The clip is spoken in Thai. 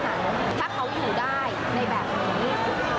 ถ้าเขาอยู่ได้ในแบบนี้